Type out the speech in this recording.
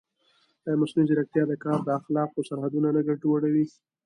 ایا مصنوعي ځیرکتیا د کار د اخلاقو سرحدونه نه ګډوډوي؟